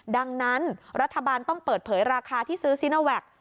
ดังนั้นรัฐบาลต้องเปิดเผยราคาที่ซื้อซีโนแวค